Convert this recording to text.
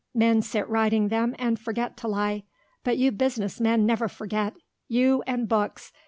Men sit writing them and forget to lie, but you business men never forget. You and books!